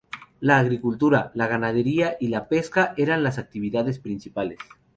La agricultura, la ganadería y la pesca eran las actividades principales.